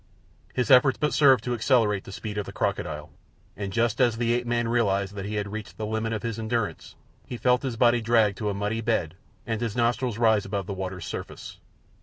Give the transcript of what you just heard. His efforts but served to accelerate the speed of the crocodile, and just as the ape man realized that he had reached the limit of his endurance he felt his body dragged to a muddy bed and his nostrils rise above the water's surface.